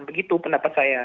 begitu pendapat saya